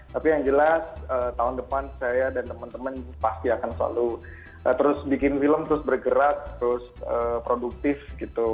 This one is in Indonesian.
tapi yang jelas tahun depan saya dan teman teman pasti akan selalu terus bikin film terus bergerak terus produktif gitu